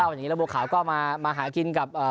ก็ิ่งนี้ละบัวขาวก็มามาหากินกับ